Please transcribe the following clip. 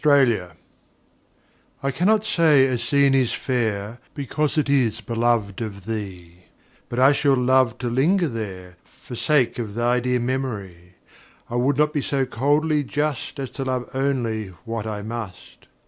IMPARTIALITY I cannot say a scene is fair Because it is beloved of thee But I shall love to linger there, For sake of thy dear memory; I would not be so coldly just As to love only what I must.